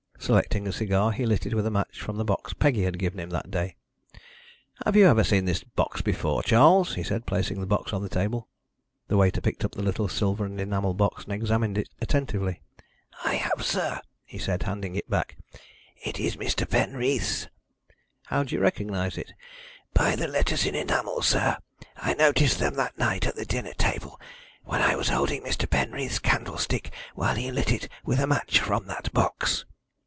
Selecting a cigar, he lit it with a match from the box Peggy had given him that day. "Have you ever seen this box before, Charles?" he said, placing the box on the table. The waiter picked up the little silver and enamel box and examined it attentively. "I have, sir," he said, handing it back. "It is Mr. Penreath's." "How do you recognise it?" "By the letters in enamel, sir. I noticed them that night at the dinner table, when I was holding Mr. Penreath's candlestick while he lit it with a match from that box."